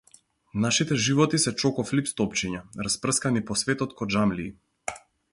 Нашите животи се чоко флипс топчиња, распрскани по светот ко џамлии.